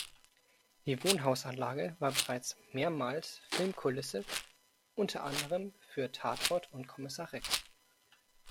Die Wohnhausanlage war bereits mehrmals Filmkulisse, unter anderem für "Tatort" und "Kommissar Rex".